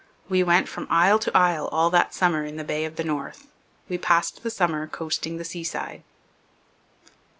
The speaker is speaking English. We went from isle to isle all that summer in the Bay of the North. We passed the summer coasting the seaside.'